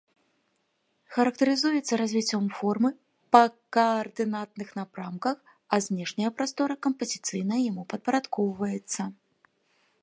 Характарызуецца развіццём формы па каардынатных напрамках, а знешняя прастора кампазіцыйна яму падпарадкоўваецца.